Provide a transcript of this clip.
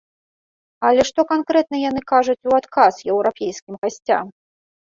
Але што канкрэтна яны кажуць у адказ еўрапейскім гасцям?